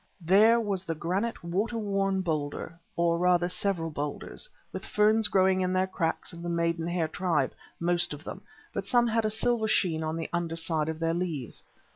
There was the granite water worn boulder, or rather several boulders, with ferns growing in their cracks of the maiden hair tribe, most of them, but some had a silver sheen on the under side of their leaves.